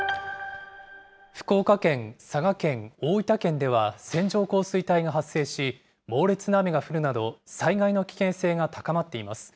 福岡県、佐賀県、大分県では、線状降水帯が発生し、猛烈な雨が降るなど、災害の危険性が高まっています。